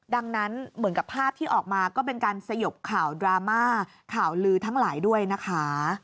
ดังนั้นเหมือนกับภาพที่ออกมาก็เป็นการสยบข่าวดราม่าข่าวลือทั้งหลายด้วยนะคะ